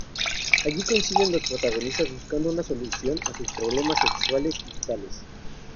Allí coinciden los protagonistas buscando una solución a sus problemas sexuales y vitales.